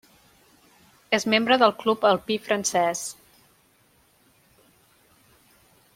És membre del Club Alpí Francès.